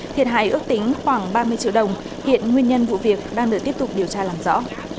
thiệt hại ước tính khoảng ba mươi triệu đồng hiện nguyên nhân vụ việc đang được tiếp tục điều tra làm rõ